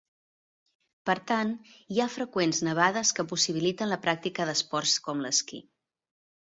Per tant, hi ha freqüents nevades que possibiliten la pràctica d'esports com l'esquí.